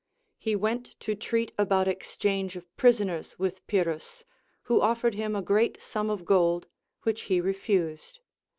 He went to treat about exchange of prisoners with Pyrrhus, who offered him a great sum of gold, which he refused.